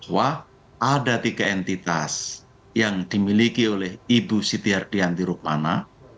bahwa ada tiga entitas yang dimiliki oleh ibu sitiardianti rukmana